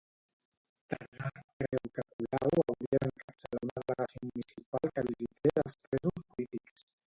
Tardà creu que Colau hauria d'encapçalar una delegació municipal que visités els presos polítics.